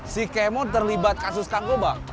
si kemo terlibat kasus narkoba